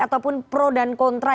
ataupun pro dan kontra